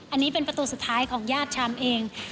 อันนี้เป็นประตูสุดท้ายของญาติชามเอง